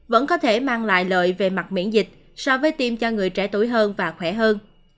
vẫn có thể mang lại lợi về mặt miễn dịch so với tiêm cho người trẻ tuổi hơn và khỏe hơn